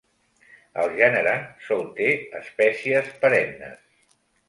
El gènere sol té espècies perennes.